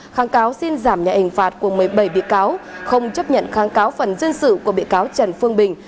kháng cáo xin giảm nhạy hình phạt của một mươi bảy bị cáo không chấp nhận kháng cáo phần dân sự của bị cáo trần phương bình